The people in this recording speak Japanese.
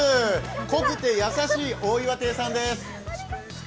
濃くて優しい大岩亭さんです。